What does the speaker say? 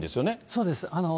そうです。